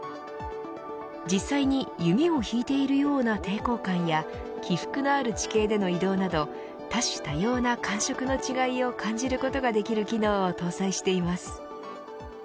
実際に弓を引いているような抵抗感や起伏のある地形での移動など多種多様な感触の違いを感じることができる機能を搭載しています。